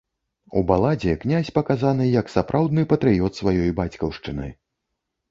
У баладзе князь паказаны як сапраўдны патрыёт сваёй бацькаўшчыны.